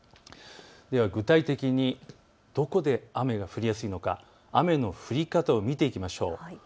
では具体的に、どこで雨が降りやすいのか雨の降り方を見ていきましょう。